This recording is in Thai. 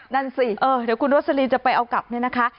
นั่นสิเดี๋ยวคุณโรสลินจะไปเอากลับเนี่ยนะคะ